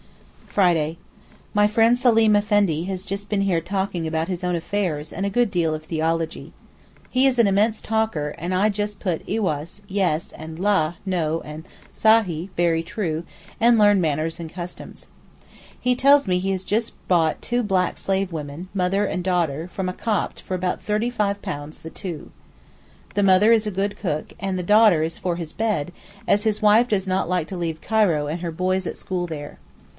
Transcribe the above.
Friday.—My friend Seleem Effendi has just been here talking about his own affairs and a good deal of theology. He is an immense talker, and I just put eywas (yes) and là (no) and sahé (very true), and learn manners and customs. He tells me he has just bought two black slave women, mother and daughter, from a Copt for about £35 the two. The mother is a good cook, and the daughter is 'for his bed,' as his wife does not like to leave Cairo and her boys at school there.